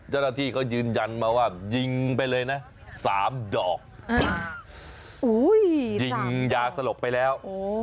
เจ้าหน้าที่เขายืนยันมาว่ายิงไปเลยนะสามดอกอ่าอุ้ยสามดอกยิงอย่าสลบไปแล้ว